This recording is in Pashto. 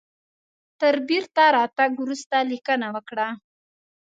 تر بیرته راتګ وروسته لیکنه وکړه.